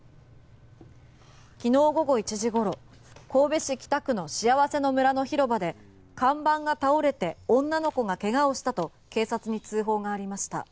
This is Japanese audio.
昨日午後１時ごろ神戸市北区のしあわせの村の広場で看板が倒れて女の子が怪我をしたと警察に通報がありました。